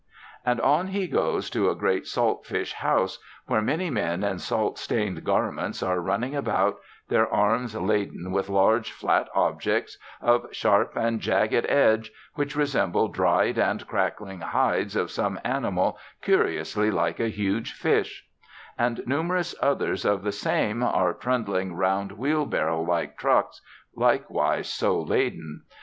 And on he goes to a great saltfish house, where many men in salt stained garments are running about, their arms laden with large flat objects, of sharp and jagged edge, which resemble dried and crackling hides of some animal curiously like a huge fish; and numerous others of "the same" are trundling round wheelbarrow like trucks likewise so laden.